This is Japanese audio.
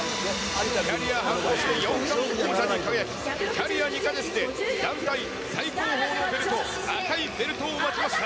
キャリア半年で４冠王に輝き、キャリア２か月で団体最高峰のベルト、赤いベルトを巻きました。